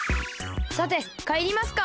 さてかえりますか。